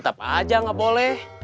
siapa aja gak boleh